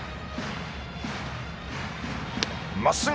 まっすぐ。